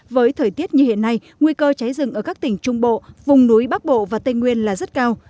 với thời tiết như hiện nay nguy cơ cháy rừng ở các tỉnh trung bộ vùng núi bắc bộ và tây nguyên là rất cao